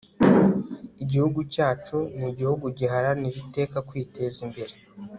igihugu cyacu ni igihugu giharanira iteka kwiteza imbere